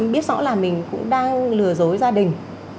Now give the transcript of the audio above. biết rõ là mình cũng đang lừa dối gia đình